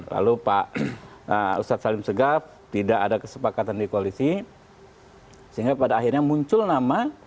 lalu pak ustadz salim segaf tidak ada kesepakatan di koalisi sehingga pada akhirnya muncul nama